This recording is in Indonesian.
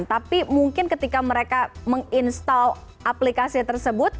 tapi mungkin ketika mereka menginstal aplikasi tersebut